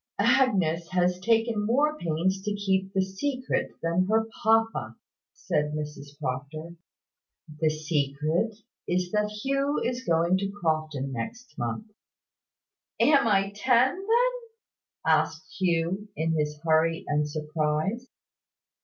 "Agnes has taken more pains to keep the secret than her papa," said Mrs Proctor. "The secret is, that Hugh is going to Crofton next month." "Am I ten, then?" asked Hugh, in his hurry and surprise.